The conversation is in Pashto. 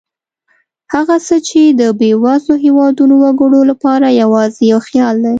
هغه څه چې د بېوزلو هېوادونو وګړو لپاره یوازې یو خیال دی.